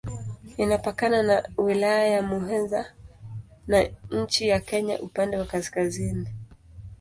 Inapakana na Wilaya ya Muheza na nchi ya Kenya upande wa kaskazini.